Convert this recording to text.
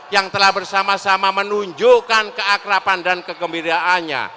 yang telah bersama sama menunjukkan keakrapan dan kegembiraannya